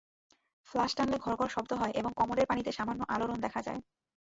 Flash টানলে ঘড়ঘড় শব্দ হয় এবং কমোডের পানিতে সামান্য আলোড়ন দেখা যায়।